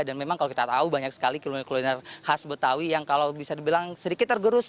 dan memang kalau kita tahu banyak sekali kuliner kuliner khas betawi yang kalau bisa dibilang sedikit tergerus